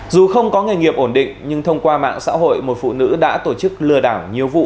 dù không có nghề nghiệp ổn định nhưng thông qua mạng xã hội một phụ nữ đã tổ chức lừa đảo nhiều vụ